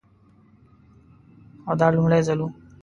او دا لومړی ځل و.